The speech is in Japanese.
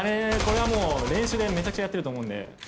これはもう練習でめちゃくちゃやってると思うんで。